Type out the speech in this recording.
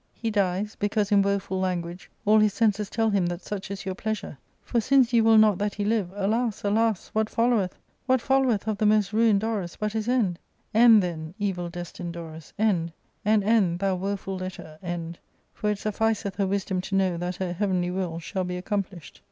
He dies, because, in woeful language, all his senses tell him that such is your pleasure ; for, since you will not that he live, alas ! alas ! what followeth — ^what followeth of the most ruined Dorus but his end ? End, then, evil des tined Dorus, end ; and end, thou woeful letter, end ; for it sufficeth her wisdom to know that her heavenly will shall be accomplished.'